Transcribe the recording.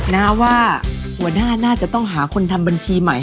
นะว่าหัวหน้าน่าจะต้องหาคนทำบัญชีใหม่